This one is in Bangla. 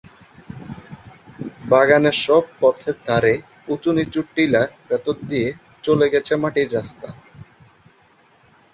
বাগানের সব পথের ধারে উঁচু-নিচু টিলার ভেতর দিয়ে চলে গেছে মাটির রাস্তা।